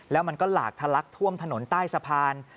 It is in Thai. แล้วมันก็หลากทะลักท่วมถนนใต้สะพาน